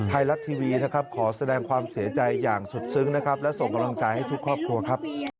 ไทยรัฐทีวีขอแสดงความเสียใจอย่างสุดซึ้งและส่งกำลังจ่ายให้ทุกครอบครัวครับ